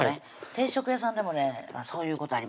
定食屋さんでもねそういうことありますね